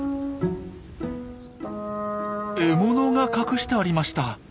獲物が隠してありました。